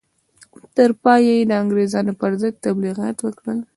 تر پایه یې د انګرېزانو پر ضد تبلیغات وکړل.